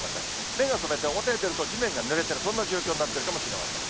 目が覚めて表へ出ると、地面がぬれてる、そんな状況になっているかもしれません。